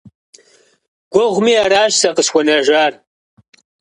Гугъуми, аращ сэ къысхуэнэжар.